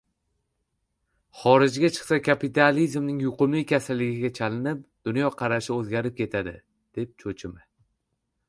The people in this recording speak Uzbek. Xorijga chiqsa, kapitalizmning yuqumli kasaliga chalinib, dunyoqarashi o‘zgarib ketadi, deb cho‘chima.